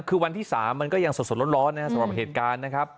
คือวันที่๓มันก็ยังสดร้อนนะครับสำหรับเหตุการณ์นะครับ